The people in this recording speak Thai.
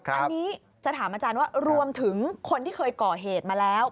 อันนี้จะถามอาจารย์ว่ารวมถึงคนที่เคยก่อเหตุมาแล้ว